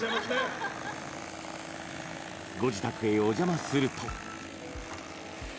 ご自宅へお邪魔すると。